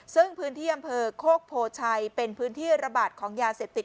ซึ่งพื้นที่อำเภอโคกโพชัยเป็นพื้นที่ระบาดของยาเสพติด